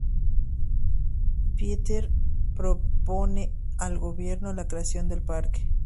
Pittier propone al gobierno la creación del parque.